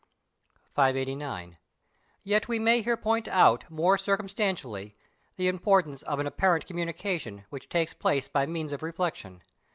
589. Yet we may here point out more circumstantially the importance of an apparent communication which takes place by means of reflection.